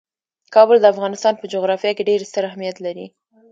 کابل د افغانستان په جغرافیه کې ډیر ستر اهمیت لري.